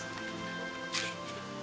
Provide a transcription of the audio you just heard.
kemah es itu ayo